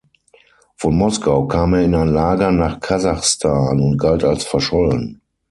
Von Moskau kam er in ein Lager nach Kasachstan und galt als verschollen.